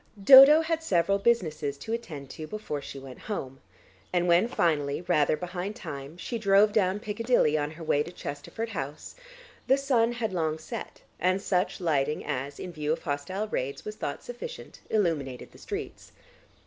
Dodo had several businesses to attend to before she went home, and when finally, rather behind time, she drove down Piccadilly on her way to Chesterford House, the sun had long set, and such lighting as, in view of hostile raids, was thought sufficient, illuminated the streets.